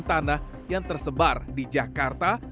tanah yang tersebar di jakarta